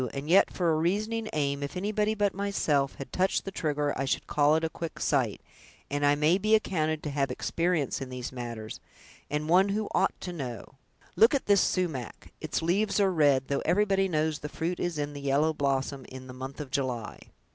and yet for a reasoning aim, if anybody but myself had touched the trigger, I should call it a quick sight; and I may be accounted to have experience in these matters, and one who ought to know. Look at this sumach; its leaves are red, though everybody knows the fruit is in the yellow blossom in the month of July!"